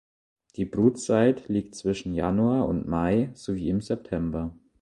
Die Brutzeit liegt zwischen Januar und Mai sowie im September.